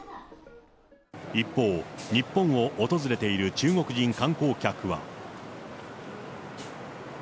一方、日本を訪れている中国人観光客は。